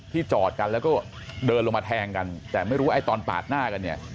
จอดกันแล้วก็เดินลงมาแทงกันแต่ไม่รู้ไอ้ตอนปาดหน้ากันเนี่ย